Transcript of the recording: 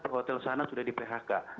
hotel sana sudah di phk